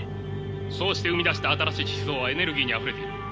そうして生み出した新しい思想はエネルギーにあふれている。